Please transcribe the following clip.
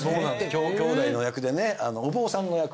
兄弟の役でねお坊さんの役。